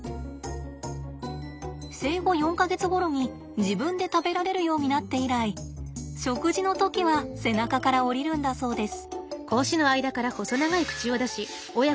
生後４か月ごろに自分で食べられるようになって以来食事の時は背中から降りるんだそうです。